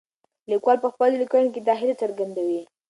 لیکوال په خپلو لیکنو کې دا هیله څرګندوي.